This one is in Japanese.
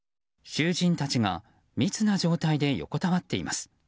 囚人たちが密な状態で横たわっています。